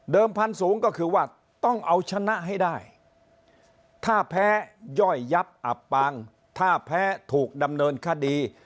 พันธุ์สูงก็คือว่าต้องเอาชนะให้ได้ถ้าแพ้ย่อยยับอับปางถ้าแพ้ถูกดำเนินคดี